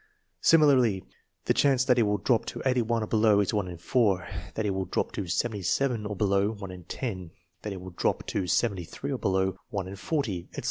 Similarly, the chance that he will drop to 81 or below is one in four; that he will drop to 77 or be low, one in ten; that he will drop to 73 or below, one in forty, etc.